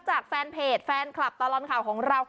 อ่านทาง